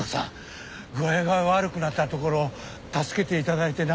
具合が悪くなったところを助けて頂いてな。